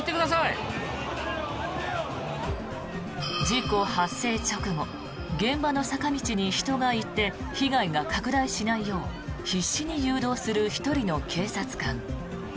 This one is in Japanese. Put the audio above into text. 事故発生直後現場の坂道に人が行って被害が拡大しないよう必死に誘導する１人の警察官。